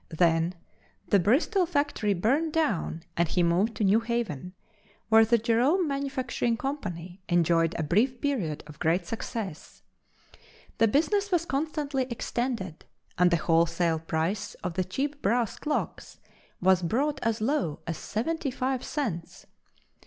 Then the Bristol factory burned down and he moved to New Haven, where the Jerome Manufacturing Company enjoyed a brief period of great success. The business was constantly extended, and the wholesale price of the cheap brass clocks was brought as low as seventy five cents.